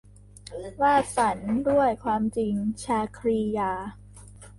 วาดฝันด้วยความจริง - ชาครียา